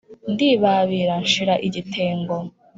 ndibabira nshira igitengo